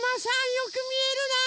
よくみえるな！